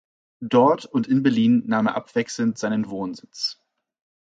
Dort und in Berlin nahm er abwechselnd seinen Wohnsitz.